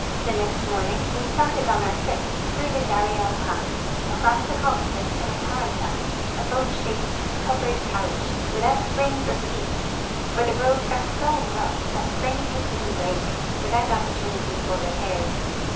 The next morning we started on our tri}>, through the Dariel pass, across the Caucasus in a tarantass, a boat shaped, covered carriage without springs or seats, for the roads are so rough that springs would soon break, without opportunit}" for repairs.